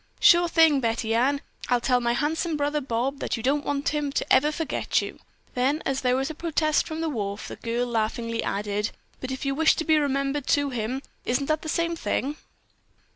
"Sure thing, Betty Ann. I'll tell my handsome brother Bob that you don't want him to ever forget you." Then as there was a protest from the wharf, the girl laughingly added: "But you wished to be remembered to him. Isn't that the same thing?"